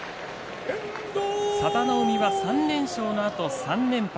佐田の海は３連勝のあと３連敗。